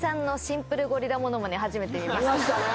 見ましたね。